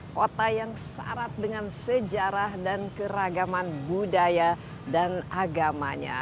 kota yang syarat dengan sejarah dan keragaman budaya dan agamanya